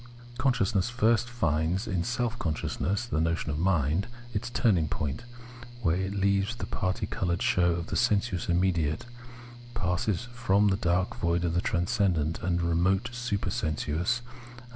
Consciousness first finds in self consciousness — the notion of mind^ts turning point, where it leaves the parti coloured show of the sensuous immediate, passes from the dark void of the transcendent and remote super sensuous, and